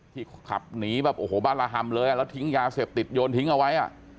ที่ขับหนีแบบโอ้โหบราฮัมเลยแล้วทิ้งยาเสพติดโยนทิ้งเอาไว้อ่ะ